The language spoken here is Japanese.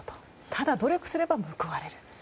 ただ努力すれば報われると。